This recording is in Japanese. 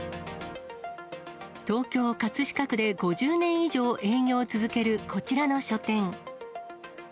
東京・葛飾区で５０年以上営業を続けるこちらの書店。